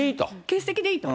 欠席でいいと。